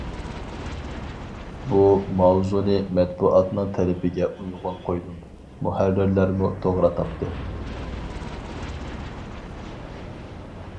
بۇ ماۋزۇنى مەتبۇئاتنىڭ تەلىپىگە ئۇيغۇن قويدۇم، مۇھەررىرلەرمۇ توغرا تاپتى.